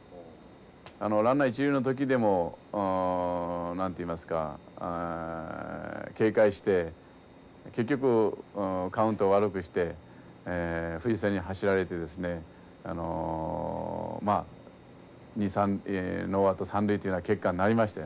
あのランナー一塁の時でも何て言いますかあ警戒して結局カウントを悪くして藤瀬に走られてですねあのまあノーアウト三塁っていうような結果になりましたよね。